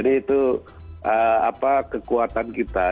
itu kekuatan kita